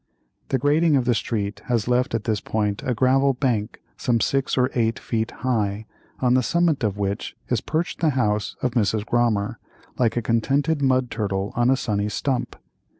The grading of the street has left at this point a gravel bank some six or eight feet high, on the summit of which is perched the house of Mrs. Grommer, like a contented mud turtle on a sunny stump.